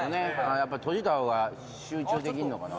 やっぱ閉じた方が集中できんのかな？